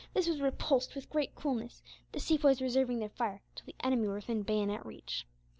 This was repulsed with great coolness, the Sepoys reserving their fire till the enemy were within bayonet reach.